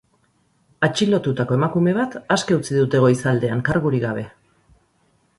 Atxilotutako emakume bat aske utzi dute goizaldean, kargurik gabe.